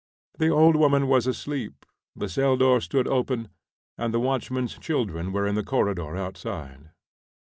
The old woman was asleep, the cell door stood open, and the watchman's children were in the corridor outside.